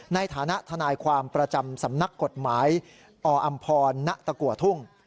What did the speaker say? ในฐานะทนายความประจำสำนักกฎหมายอำพรณตะกัวทุ่ง